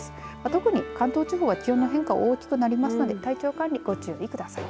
特に関東地方は気温の変化大きくなりますので体調管理、ご注意ください。